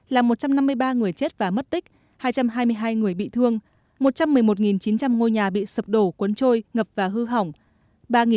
là một trăm năm mươi ba người chết và mất tích hai trăm hai mươi hai người bị thương một trăm một mươi một chín trăm linh ngôi nhà bị sập đổ cuốn trôi ngập và hư hỏng